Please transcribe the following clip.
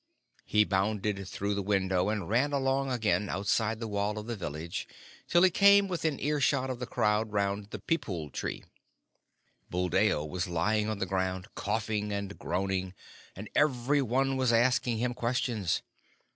He bounded through the window and ran along again outside the wall of the village till he came within ear shot of the crowd round the peepul tree. Buldeo was lying on the ground, coughing and groaning, and every one was asking him questions.